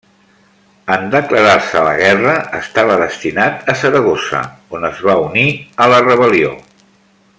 En declarar-se la guerra estava destinat a Saragossa, on es va unir a la rebel·lió.